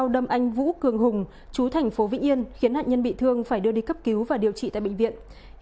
đâm anh vũ cường hùng chú thành phố vĩnh yên khiến nạn nhân bị thương phải đưa đi cấp cứu và điều trị tại bệnh viện